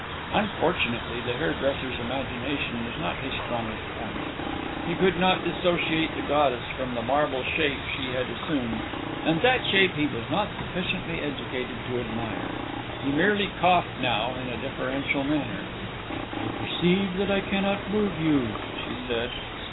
Unfortunately, the hairdresser's imagination was not his strongest point. He could not dissociate the goddess from the marble shape she had assumed, and that shape he was not sufficiently educated to admire; he merely coughed now in a deferential manner. "I perceive that I cannot move you," she said.